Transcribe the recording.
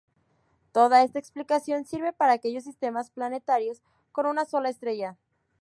Toda esta explicación sirve para aquellos sistemas planetarios con una sola estrella.